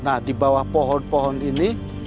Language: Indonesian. nah di bawah pohon pohon ini